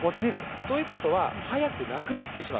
ということは速くなくなってしまう。